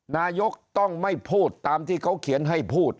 นายกต้องไม่พูดตามที่เขาเขียนให้พูด